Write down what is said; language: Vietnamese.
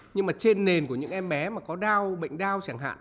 nhưng mà trên nền của những em bé mà có đau bệnh đau chẳng hạn